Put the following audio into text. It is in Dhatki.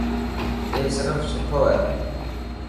اي سرف سٺو هي.